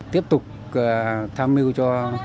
tiếp tục tham mưu cho